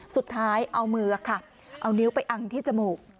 สุดท้ายเอามือค่ะเอานิ้วไปอังที่จมูก